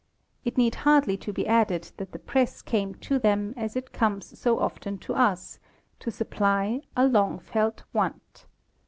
It need hardly be added that the press came to them, as it comes so often to us, to supply '"'a long felt want."